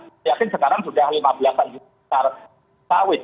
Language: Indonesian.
saya yakin sekarang sudah lima belas an juta sawit